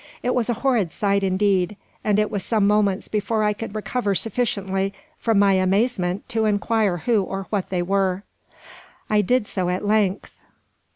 It was a horrid sight, indeed; and it was some moments before I could recover sufficiently from my amazement to inquire who or what they were. I did so at length.